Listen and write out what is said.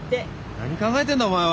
何考えてんだお前は。